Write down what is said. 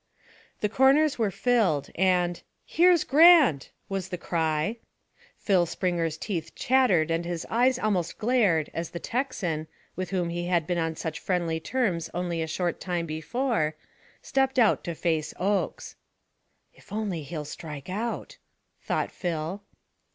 The corners were filled, and, "Here's Grant!" was the cry. Phil Springer's teeth chattered and his eyes almost glared as the Texan, with whom he had been on such friendly terms only a short time before, stepped out to face Oakes. "If he'll only strike out!" thought Phil.